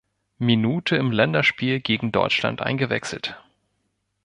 Minute im Länderspiel gegen Deutschland eingewechselt.